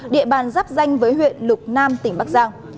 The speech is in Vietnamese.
địa bàn giáp danh với huyện lục nam tỉnh bắc giang